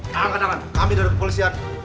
tangan kanan kami dari polisian